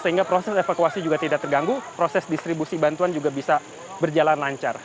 sehingga proses evakuasi juga tidak terganggu proses distribusi bantuan juga bisa berjalan lancar